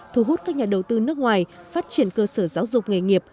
thu hút các nhà đầu tư nước ngoài phát triển cơ sở giáo dục nghề nghiệp